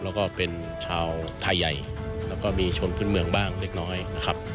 แล้วก็เป็นชาวไทยใหญ่แล้วก็มีชนพื้นเมืองบ้างเล็กน้อยนะครับ